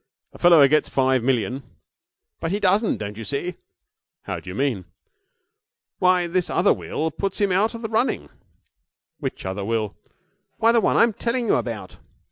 A fellow who gets five million ' 'But he doesn't, don't you see?' 'How do you mean?' 'Why, this other will puts him out of the running.' 'Which other will?' 'Why, the one I'm telling you about.'